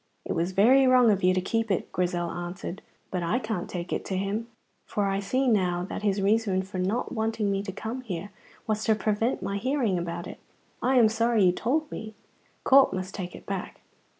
"It was very wrong of you to keep it," Grizel answered, "but I can't take it to him, for I see now that his reason for wanting me not to come here was to prevent my hearing about it. I am sorry you told me. Corp must take it back."